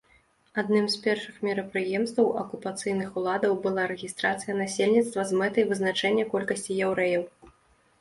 Адным з першых мерапрыемстваў акупацыйных уладаў была рэгістрацыя насельніцтва з мэтай вызначэння колькасці яўрэяў.